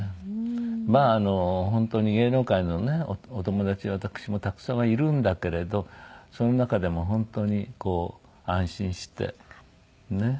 まあ本当に芸能界のねお友達は私もたくさんはいるんだけれどその中でも本当に安心してねえ末永く。